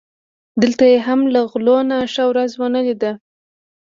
دلته یې هم له غلو نه ښه ورځ و نه لیده.